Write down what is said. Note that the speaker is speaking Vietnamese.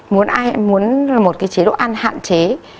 muốn một cái chế độ ăn hạn chế